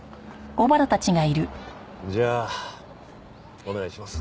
じゃあお願いします。